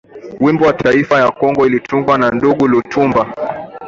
Wimbo wa kitaifa ya kongo ilitungwa na ndugu Lutumba